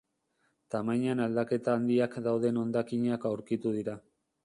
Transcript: Tamainan aldaketa handiak dauden hondakinak aurkitu dira.